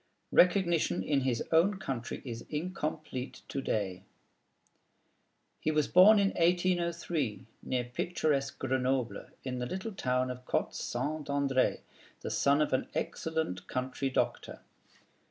Recognition in his own country is incomplete to day. He was born in 1803, near picturesque Grenoble, in the little town of Côte St. André, the son of an excellent country doctor.